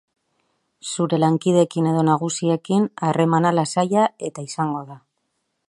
Zure lankideekin edo nagusiekin harremana lasaia eta izango da.